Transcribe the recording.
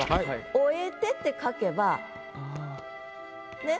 「終えて」って書けばねっ？